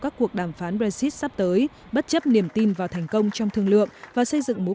các cuộc đàm phán brexit sắp tới bất chấp niềm tin vào thành công trong thương lượng và xây dựng mối